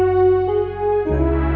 nama lalu parar